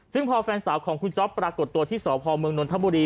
ซึ่งพอแฟนสาวของคุณจ๊อปปรากฏตัวที่สพเมืองนทบุรี